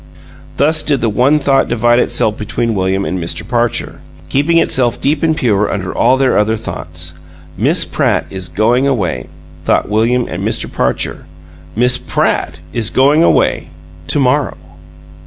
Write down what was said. Thus did the one thought divide itself between William and Mr. Parcher, keeping itself deep and pure under all their other thoughts. "Miss Pratt is going away!" thought William and Mr. Parcher. "Miss PRATT is going away to morrow!"